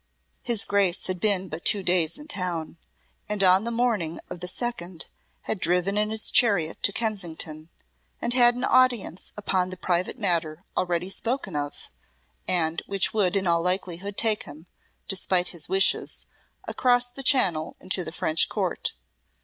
His Grace had been but two days in town, and on the morning of the second had driven in his chariot to Kensington, and had an audience upon the private matter already spoken of, and which would in all likelihood take him, despite his wishes, across the Channel and to the French Court.